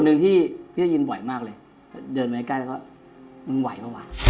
อันนี้จริงป่ะเคยโดนถามไหม